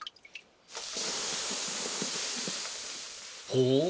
ほう。